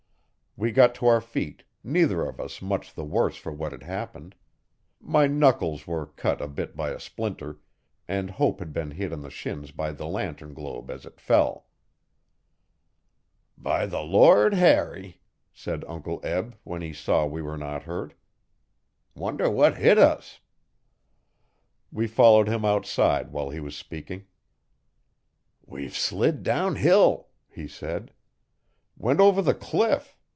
We got to our feet, neither of us much the worse for what had happened My knuckles were cut a bit by a splinter, and Hope had been hit on the shins by the lantern globe as it fell. 'By the Lord Harry!' said Uncle Eb, when he saw we were not hurt. 'Wonder what hit us.' We followed him outside while he was speaking. 'We've slid downhill,' he said. 'Went over the cliff.